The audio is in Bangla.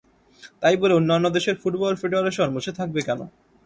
তাই বলে অন্যান্য দেশের ফুটবল ফেডারেশন বসে থাকবে কেন?